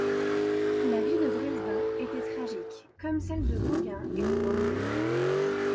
La vie de Bresdin était tragique comme celles de Gauguin et de Van Gogh.